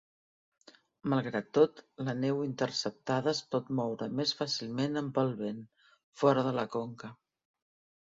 Malgrat tot, la neu interceptada es pot moure més fàcilment amb el vent, fora de la conca.